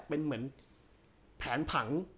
เป็นเหมือนแผนผัง